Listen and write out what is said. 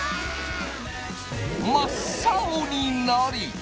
真っ青になり。